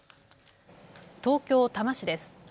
東京多摩市です。